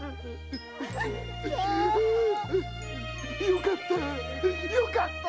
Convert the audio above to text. よかったよかった